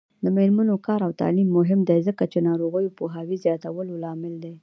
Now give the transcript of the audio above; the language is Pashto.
د میرمنو کار او تعلیم مهم دی ځکه چې ناروغیو پوهاوي زیاتولو لامل دی.